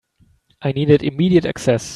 I needed immediate access.